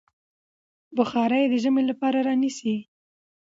بخارۍ د ژمي لپاره رانيسئ.